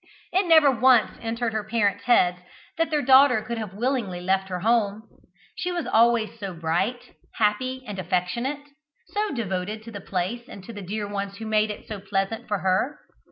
It never once entered her parents' heads that their daughter could have willingly left her home: she was always so bright, happy, and affectionate; so devoted to the place and to the dear ones who made it so pleasant for her.